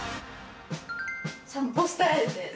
散歩スタイルです。